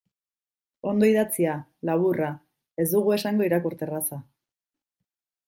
Ondo idatzia, laburra, ez dugu esango irakurterraza.